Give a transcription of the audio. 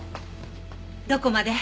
どこまで？